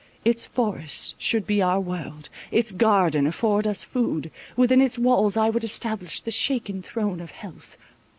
Its forest should be our world—its garden afford us food; within its walls I would establish the shaken throne of health.